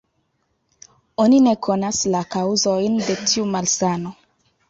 Oni ne konas la kaŭzojn de tiu malsano.